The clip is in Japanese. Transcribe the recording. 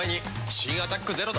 新「アタックＺＥＲＯ」